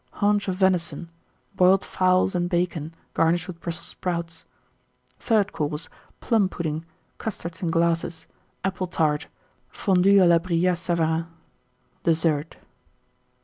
Haunch of Venison. Boiled Fowls and Bacon, garnished with Brussels Sprouts. THIRD COURSE. Plum pudding. Custards in Glasses. Apple Tart. Fondue à la Brillat Savarin. DESSERT. 1892.